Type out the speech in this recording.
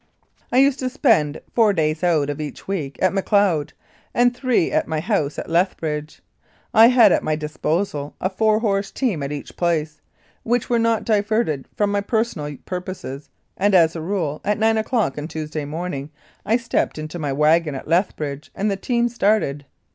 I used to spend four days out of each week at Mac leod and three at my house at Lethbridge. I had at my disposal a four horse team at each place, which were not diverted from my personal purposes, and, as a rule, at nine o'clock on Tuesday morning I stepped into my wagon at Lethbridge and the team started.